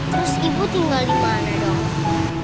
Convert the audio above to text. terus ibu tinggal di mana dong